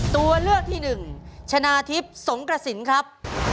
ตัวเลือกที่หนึ่งชนะทิพย์สงกระสินครับ